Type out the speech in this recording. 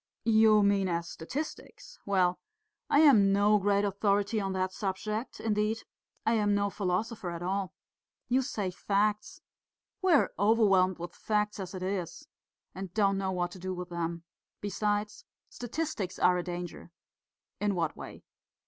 "You mean as statistics. Well, I am no great authority on that subject, indeed I am no philosopher at all. You say 'facts' we are overwhelmed with facts as it is, and don't know what to do with them. Besides, statistics are a danger." "In what way?"